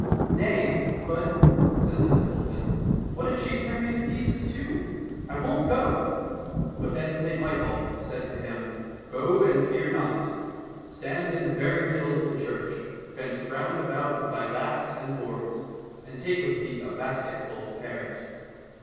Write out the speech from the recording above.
—*' Nay, but," said the simpleton, " what if she tear me to pieces too ? I won't go ! "—But then St Michael said to him, '' Go and fear not ! Stand in the very middle of the church, fenced round about with thy laths and boards, and take with thee a basket full of pears.